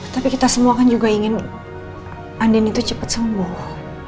tapi kita semua kan juga ingin andin itu cepat sembuh